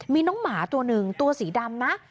มีน้องหมาตัวหนึ่งตัวสีดำนะ